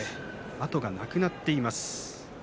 後がなくなっています。